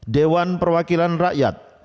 dewan perwakilan rakyat